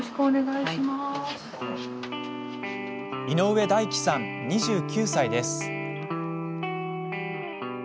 井上大樹さん、２９歳です。